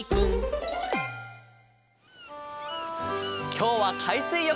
きょうはかいすいよく。